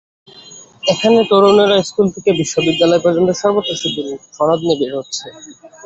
এখানে তরুণেরা স্কুল থেকে বিশ্ববিদ্যালয় পর্যন্ত সর্বত্র শুধু সনদ নিয়ে বের হচ্ছে।